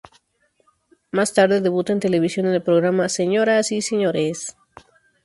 Más tarde debuta en televisión en el programa "¡Señoras y señores!